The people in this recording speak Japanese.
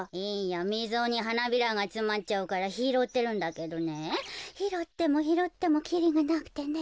みぞにはなびらがつまっちゃうからひろってるんだけどねひろってもひろってもきりがなくてね。